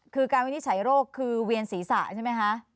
คือการวินิจฉัยโรคคือเวียนศีรษะใช่ไหมคะ